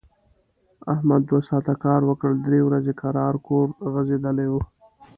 احمد دوه ساعت کار وکړ، درې ورځي کرار کور غځېدلی و.